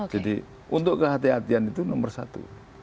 jadi untuk kehatian kehatian itu nomor satu